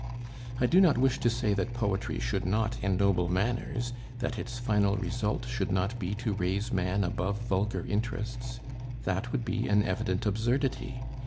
I do not wish to say that poetry should not ennoble manners that its final result should not be to raise man above vulgar interests. That would be an evident absurdity.